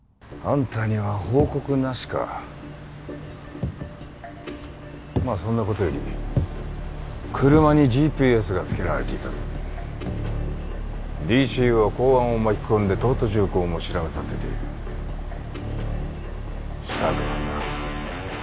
あんたには報告なしかまあそんなことより車にＧＰＳが付けられていたぞＤＣＵは公安を巻き込んで東都重工も調べさせている佐久間さん